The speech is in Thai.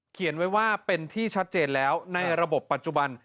เขียนไว้ว่าเป็นที่ชัดเจนแล้วในระบบปัจจุบัน